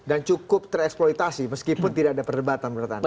dan cukup tereksploitasi meskipun tidak ada perdebatan menurut anda ya